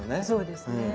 そうですね。